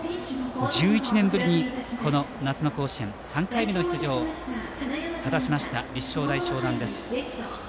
１１年ぶりにこの夏の甲子園３回目の出場を果たした立正大淞南。